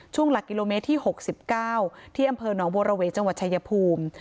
ช่วงหลักกิโลเมตรที่หกสิบเก้าที่อำเภอนองค์โบราเวจังหวัดชายภูมิ